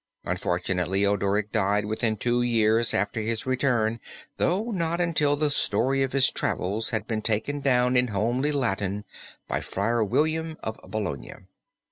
Unfortunately Odoric died within two years after his return though not until the story of his travels had been taken down in homely Latin by Friar William of Bologna.